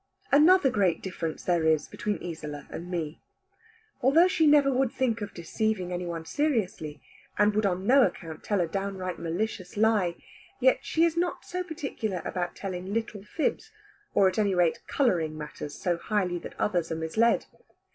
Another great difference there is between Isola and me. Although she never would think of deceiving any one seriously, and would on no account tell a downright malicious lie, yet she is not so particular about telling little fibs, or at any rate colouring matters so highly that others are misled.